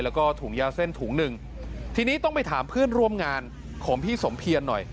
แล้วก็ถุงยาเส้นถุงหนึ่งทีนี้ต้องไปถามเพื่อนร่วมงานของพี่สมเพียรหน่อย